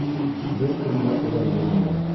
Бер кем дә улай йөрөмәй!